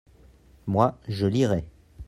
moi, je lirai.